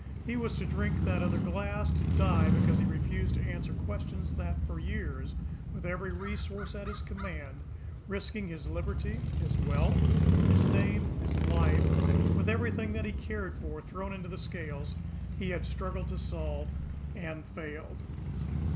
He was to drink that other glass, to die because he refused to answer questions that for years, with every resource at his command, risking his liberty, his wealth, his name, his life, with everything that he cared for thrown into the scales, he had struggled to solve and failed!